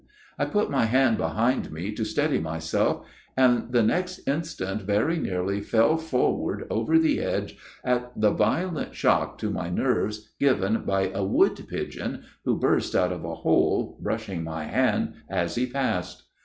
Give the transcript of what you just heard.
" I put my hand behind me to steady myself ; and the next instant very nearly fell forward over the edge at the violent shock to my nerves given by a wood pigeon who burst out of a hole, brush ing my hand as he passed.